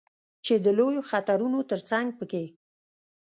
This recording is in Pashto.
چې د لویو خطرونو ترڅنګ په کې